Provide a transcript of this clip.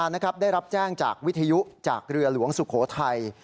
ได้รับแจ้งจากวิทยุจากเรือหลวงสุโขทัย